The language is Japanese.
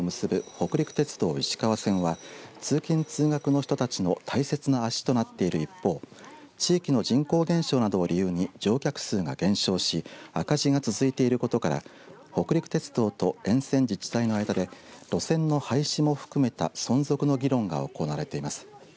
北陸鉄道石川線は通勤通学の人たちの大切な足となっている一方地域の人口減少などを理由に乗客数が減少し赤字が続いていることから北陸鉄道と沿線自治体の間で路線の廃止も含めた存続の議論が行われています。